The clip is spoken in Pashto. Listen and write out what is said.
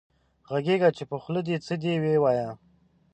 غږېږه چې په خولې دې څه دي وې وايه